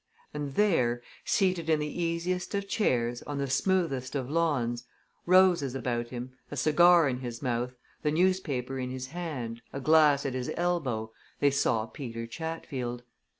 And there, seated in the easiest of chairs on the smoothest of lawns, roses about him, a cigar in his mouth, the newspaper in his hand, a glass at his elbow, they saw Peter Chatfield.